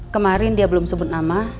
kemarin dia belum sebut nama